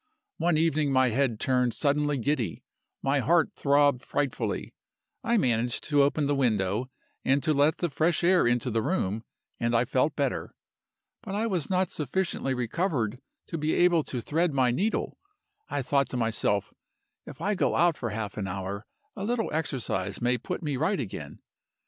One evening my head turned suddenly giddy; my heart throbbed frightfully. I managed to open the window, and to let the fresh air into the room, and I felt better. But I was not sufficiently recovered to be able to thread my needle. I thought to myself, 'If I go out for half an hour, a little exercise may put me right again.